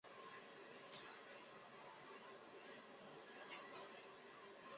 洪秀全死后尸体被秘密葬在天王府的后花园内。